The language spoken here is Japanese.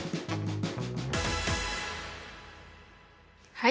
はい。